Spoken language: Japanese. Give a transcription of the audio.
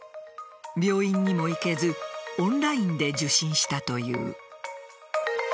病院にも行けずオンラインで受診したという。